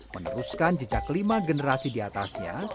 meneruskan jejak lima generasi di atasnya